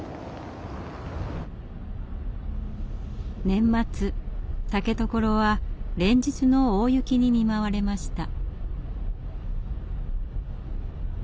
年末竹所は連日の大雪に見舞われました。